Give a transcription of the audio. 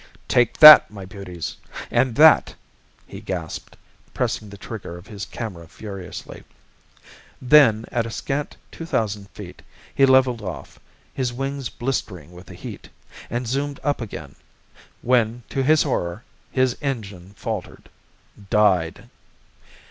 "Take that, my beauties! and that!" he gasped, pressing the trigger of his camera furiously. Then, at a scant two thousand feet, he levelled off, his wings blistering with the heat, and zoomed up again when to his horror, his engine faltered; died.